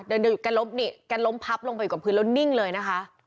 เดินเดินกันล้มนี่กันล้มพับลงไปกับพื้นแล้วนิ่งเลยนะคะ